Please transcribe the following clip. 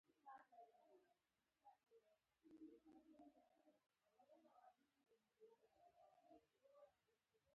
کله چې یو خیري بنسټ ستاسو نوماندۍ ومني، تاسو باید لاندې اسناد چمتو کړئ: